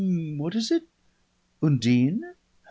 "Oom what is it?" "Undine?"